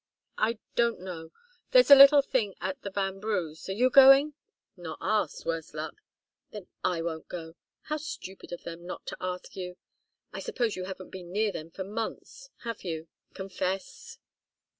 "I don't know. There's a little thing at the Vanbrughs' are you going?" "Not asked, worse luck!" "Then I won't go. How stupid of them not to ask you. I suppose you haven't been near them for months. Have you? Confess!"